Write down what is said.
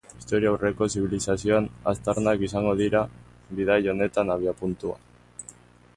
Historiaurreko zibilizazioen aztarnak izango dira bidaia honetan abiapuntua.